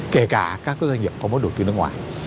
kể cả các doanh nghiệp có vốn đầu tư nước ngoài